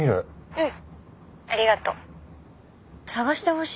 うん？